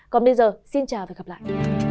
còn bây giờ xin chào và gặp lại